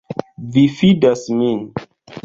Vi fidas min.